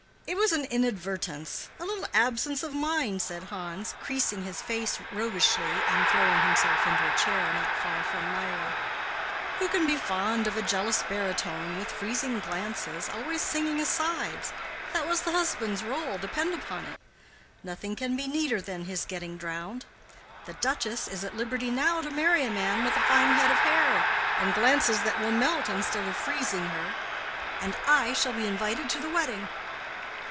"It was an inadvertence—a little absence of mind," said Hans, creasing his face roguishly, and throwing himself into a chair not far from Mirah. "Who can be fond of a jealous baritone, with freezing glances, always singing asides?—that was the husband's rôle, depend upon it. Nothing can be neater than his getting drowned. The Duchess is at liberty now to marry a man with a fine head of hair, and glances that will melt instead of freezing her. And I shall be invited to the wedding."